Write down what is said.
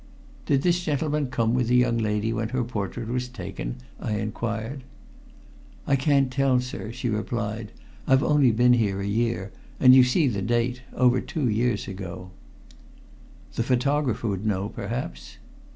"Did this gentleman come with the young lady when her portrait was taken?" I inquired. "I can't tell, sir," she replied. "I've only been here a year, and you see the date over two years ago." "The photographer would know, perhaps?"